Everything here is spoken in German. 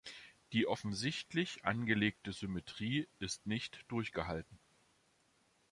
Die offensichtlich angelegte Symmetrie ist nicht durchgehalten.